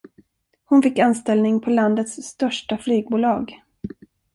Hon fick anställning på landets största flygbolag.